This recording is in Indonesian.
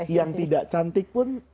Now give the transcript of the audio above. yang tidak cantik pun